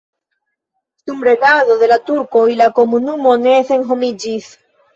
Dum regado de la turkoj la komunumo ne senhomiĝis.